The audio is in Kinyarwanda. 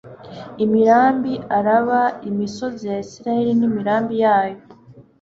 imirambi, araba, imisozi ya israheli n'imirambi yayo